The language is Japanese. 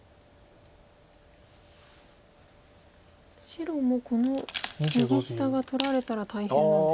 白もこの右下が取られたら大変なんですか。